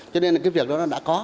cho nên là cái việc đó nó đã có